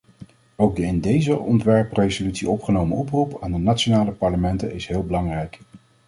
Ook de in deze ontwerpresolutie opgenomen oproep aan de nationale parlementen is heel belangrijk.